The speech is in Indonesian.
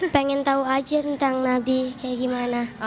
pengen tahu aja tentang nabi kayak gimana